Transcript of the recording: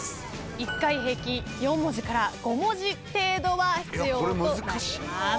一回平均４文字から５文字程度は必要となります。